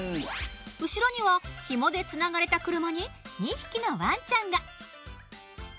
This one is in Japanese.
後ろには紐でつながれた車に２匹のワンちゃんが。